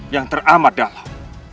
yang teramat dalam